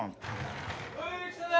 おう来たぞ！